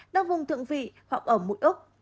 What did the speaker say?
đau vùng thượng vị hoặc ở mũi úc